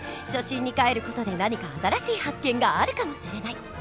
初心にかえる事で何か新しい発見があるかもしれない！